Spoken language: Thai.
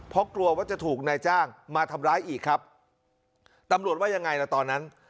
เพราะกลัวว่าจะถูกนายจ้างมาทำร้ายอีกครับตำรวจว่ายังไงล่ะตอนนั้น